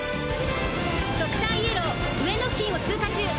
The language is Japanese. ドクターイエロー上野付近を通過中。